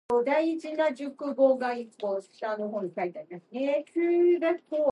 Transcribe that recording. The "jornalero" class has been fertile ground for socialism and anarchism.